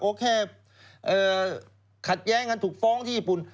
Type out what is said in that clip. ก็แค่ขัดแย้งกันถูกฟ้องที่ญี่ปุ่น